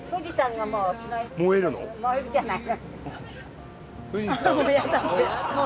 燃えるじゃない。